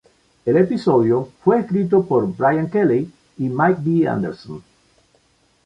El episodio fue escrito por Brian Kelley y Mike B. Anderson.